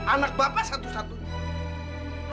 anak bapak satu satunya